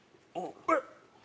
えっ？